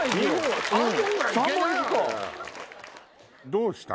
どうした？